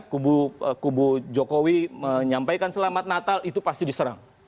kubu jokowi menyampaikan selamat natal itu pasti diserang